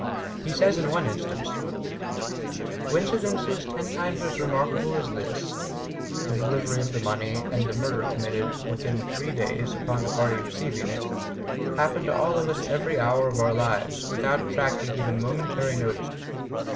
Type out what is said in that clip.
He says in one instance :Coincidences ten times as remarkable as this (the delivery of the money, and murder committed within three days upon the party receiving it) happen to all of us every hour of our lives, without attracting even momentary notice.